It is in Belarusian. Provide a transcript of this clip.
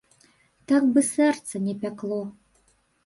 Так бы сэрца не пякло!